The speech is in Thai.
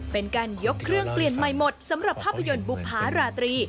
เป็นการยกเครื่องเปลี่ยนใหม่หมดสำหรับภาพยนตร์บุภาราตรี